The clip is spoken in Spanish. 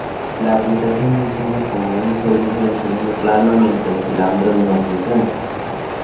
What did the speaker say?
La aplicación funciona como un servicio en segundo plano mientras el Android funciona.